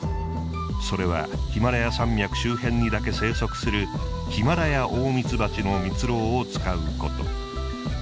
それはヒマラヤ山脈周辺にだけ生息するヒマラヤオオミツバチのミツロウを使うこと。